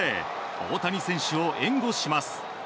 大谷選手を援護します。